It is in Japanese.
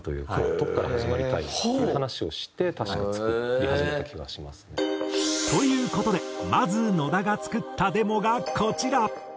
とこから始まりたいっていう話をして確か作り始めた気がしますね。という事でまず野田が作ったデモがこちら。